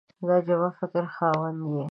د عجبه فکر خاوند یې !